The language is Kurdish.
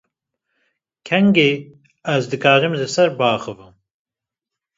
Kengê, ez dikarim li ser biaxivim ?